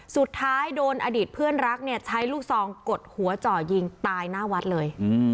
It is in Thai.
สุดท้ายโดนอดีตเพื่อนรักเนี่ยใช้ลูกซองกดหัวจ่อยิงตายหน้าวัดเลย